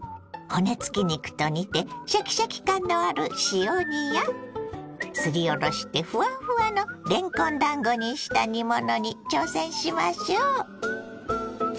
骨付き肉と煮てシャキシャキ感のある塩煮やすりおろしてフワフワのれんこんだんごにした煮物に挑戦しましょう。